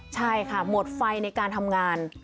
ใช่ค่ะหมดไฟในการทำงาน